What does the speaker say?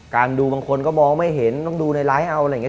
ดูบางคนก็มองไม่เห็นต้องดูในไลฟ์เอาอะไรอย่างนี้